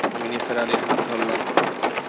আমি নিসার আলির হাত ধরলাম।